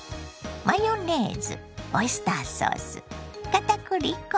マヨネーズオイスターソースかたくり粉